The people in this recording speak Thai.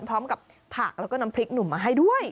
พร้อมกับผักแล้วก็น้ำพริกหนุ่มมาให้ด้วย